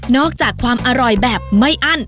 อกจากความอร่อยแบบไม่อั้น